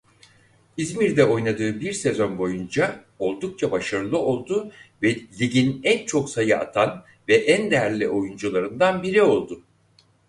İzmir'de oynadığı bir sezon boyunca oldukça başarılı oldu ve ligin en çok sayı atan ve en değerli oyuncularından biri oldu.